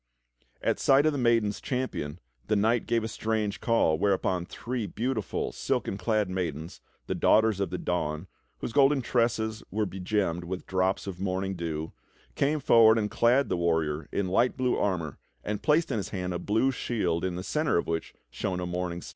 At sight of the maiden's champion, this knight gave a strange call, whereupon three beautiful, silken clad maidens, the Daughters of the Dawn, whose golden tresses were begemmed with drops of morning dew, came forward and clad the warrior in light blue armor and placed in his hand a blue shield in the centre of which shone a morning star.